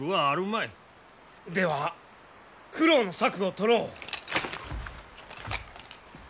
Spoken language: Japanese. では九郎の策をとろう。